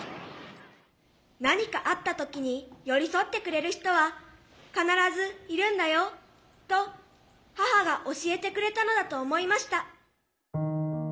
何かあった時に寄り添ってくれる人は必ずいるんだよと母が教えてくれたのだと思いました。